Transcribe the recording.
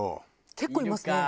結構いますね。